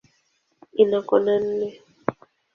Ina kona nne.